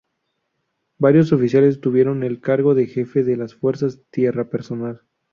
Varios oficiales tuvieron el cargo de jefe de las fuerzas tierra personal.